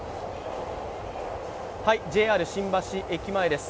ＪＲ新橋駅前です。